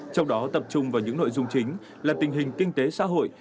trong đó tập trung vào những nội dung chính là tình hình kinh tế xã hội